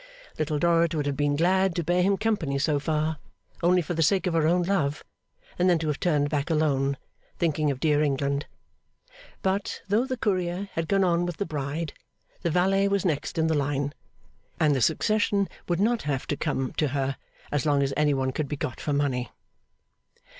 Little Dorrit would have been glad to bear him company so far, only for the sake of her own love, and then to have turned back alone, thinking of dear England. But, though the Courier had gone on with the Bride, the Valet was next in the line; and the succession would not have come to her, as long as any one could be got for money.